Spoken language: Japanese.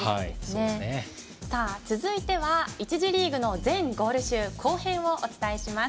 続いては１次リーグの全ゴール集後編をお伝えします。